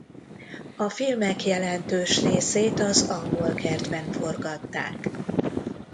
A filmek jelentős részét az Angolkertben forgatták.